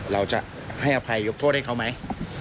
เราจะให้อภัยยกโทษให้เขาไหม